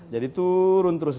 jadi turun terus